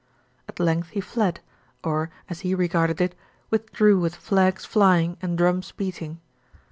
At length he fled, or, as he regarded it, withdrew with flags flying and drums beating.